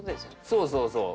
そうそうそう。